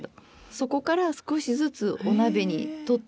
そこから少しずつお鍋にとって。